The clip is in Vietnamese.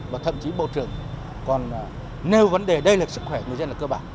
và thậm chí bộ trưởng còn nêu vấn đề đây là sức khỏe người dân là cơ bản